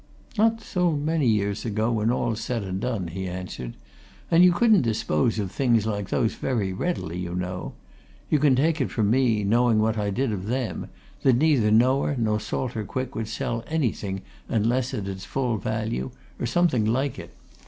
"Not so many years ago, when all's said and done," he answered. "And you couldn't dispose of things like those very readily, you know. You can take it from me, knowing what I did of them, that neither Noah nor Salter Quick would sell anything unless at its full value, or something like it.